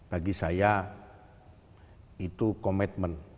bagi saya itu komitmen